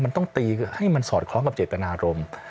มันต้องตีให้มันสอดคล้องกับเจตนารมณ์